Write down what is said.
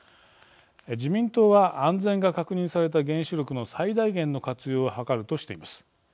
自民党は安全が確認された原子力の最大限の活用を図るとしています。